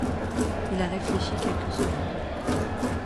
Il a réfléchi quelques secondes.